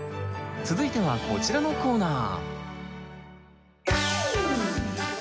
続いてはこちらのコーナー！